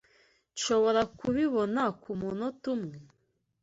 Nshobora kubibona kumunota umwe?